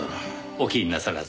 お気になさらず。